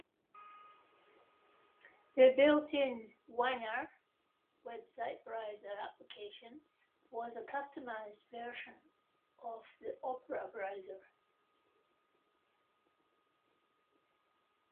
The built-in "Wagner" web browser application was a customized version of the Opera browser.